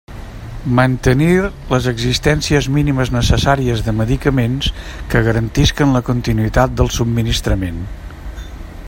Mantenir les existències mínimes necessàries de medicaments que garantisquen la continuïtat del subministrament.